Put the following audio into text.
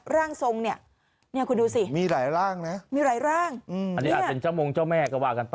ร่างทรงเนี่ยเนี่ยคุณดูสิมีหลายร่างนะมีหลายร่างอันนี้อาจเป็นเจ้ามงเจ้าแม่ก็ว่ากันไป